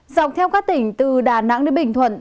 dọc theo các tỉnh từ đà nẵng đến bình thuận